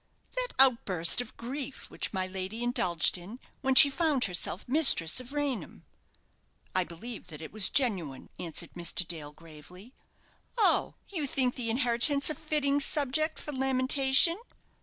"That outburst of grief which my lady indulged in, when she found herself mistress of Raynham." "I believe that it was genuine," answered Mr. Dale, gravely. "Oh, you think the inheritance a fitting subject for lamentation?"